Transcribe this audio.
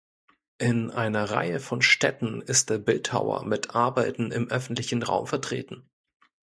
In einer Reihe von Städten ist der Bildhauer mit Arbeiten im öffentlichen Raum vertreten.